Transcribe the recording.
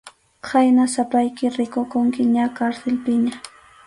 Khayna sapayki rikukunki ña karsilpiña.